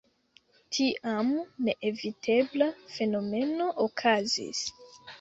Tiam neevitebla fenomeno okazis.